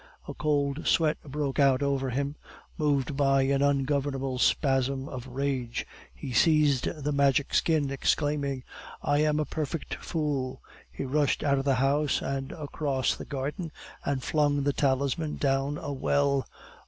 A cold sweat broke out over him; moved by an ungovernable spasm of rage, he seized the Magic Skin, exclaiming: "I am a perfect fool!" He rushed out of the house and across the garden, and flung the talisman down a well.